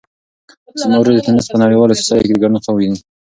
زما ورور د تېنس په نړیوالو سیالیو کې د ګډون خوب ویني.